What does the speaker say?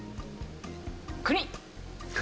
国！